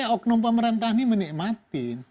oknum pemerintah ini menikmati